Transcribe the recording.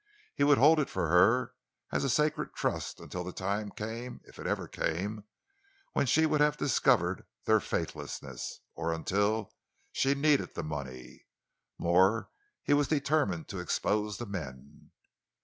He would hold it for her, as a sacred trust, until the time came—if it ever came—when she would have discovered their faithlessness—or until she needed the money. More, he was determined to expose the men.